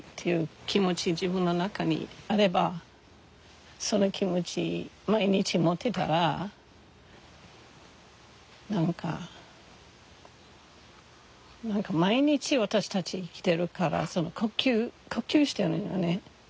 自分の中にあればその気持ち毎日持ってたら何か何か毎日私たち生きてるから呼吸してるよね。